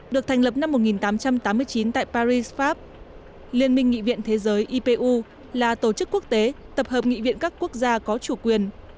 được thành lập năm một nghìn tám trăm tám mươi chín tại paris pháp liên minh nghị viện thế giới ipu là tổ chức quốc tế tập hợp nghị viện các quốc gia có chủ quyền